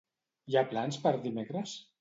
Hi ha plans per dimecres?